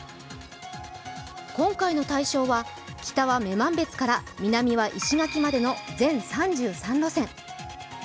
今回の対象は、北は女満別から南は石垣までの全３３路線。